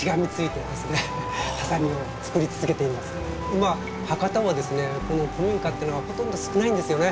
今博多は古民家ってのはほとんど少ないんですよね。